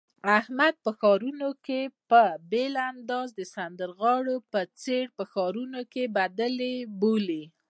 احمد په ښادیو کې په بېل انداز د سندرغاړو په څېر ښاري بدلې بولي.